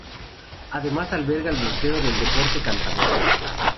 Además alberga el Museo del Deporte Cántabro.